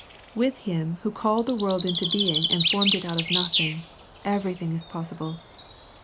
With Him who called the world into being and formed it out of nothing, everything is possible.